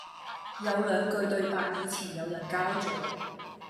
有兩句對白以前有人交咗